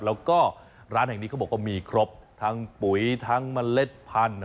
แล้วก็ร้านแห่งนี้เขาบอกว่ามีครบทั้งปุ๋ยทั้งเมล็ดพันธุ์